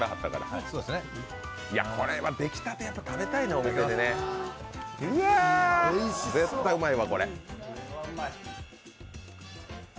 これは出来たて、食べたいね、お店でね、絶対うまいわ。